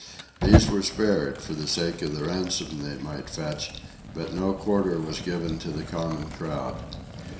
These were spared, for the sake of the ransom they might fetch, but no quarter was given to the common crowd.